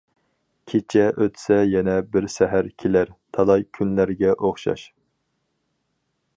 كېچە ئۆتسە يەنە بىر سەھەر، كېلەر تالاي كۈنلەرگە ئوخشاش.